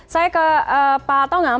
saya ke pak tongam